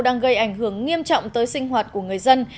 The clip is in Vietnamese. đang gây ảnh hưởng nghiêm trọng tới sinh hoạt của người dân